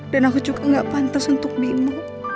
dan aku juga gak pantas untuk bimo